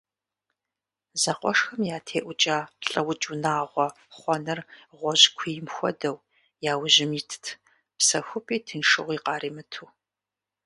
Зэкъуэшхэм ятеӀукӀа «лӀыукӀ унагъуэ» хъуэныр гъуэжькуийм хуэдэу, я ужьым итт, псэхупӀи тыншыгъуи къаримыту.